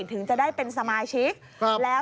ถึงจะได้เป็นสมาชิก